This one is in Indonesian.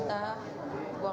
kalau yang lain